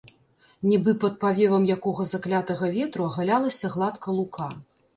Нібы пад павевам якога заклятага ветру агалялася гладка лука.